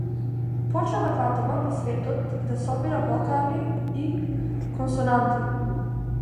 Почна да патува по светот и да собира вокали и консонанти.